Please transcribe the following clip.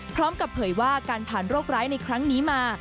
เผยว่าการผ่านโรคร้ายในครั้งนี้มา